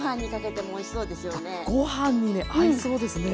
あっご飯にね合いそうですね。